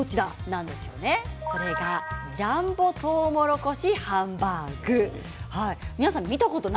ジャンボとうもろこしハンバーグです。